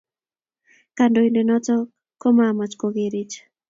Kandoindet noto ko mamach kogerech